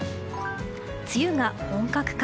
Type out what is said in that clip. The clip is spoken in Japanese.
梅雨が本格化。